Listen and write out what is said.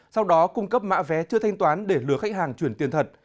sau đó cung cấp mã vé chưa thanh toán để lừa khách hàng chuyển tiền thật